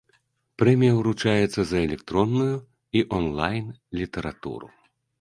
Прэмія ўручаецца за электронную і онлайн-літаратуру.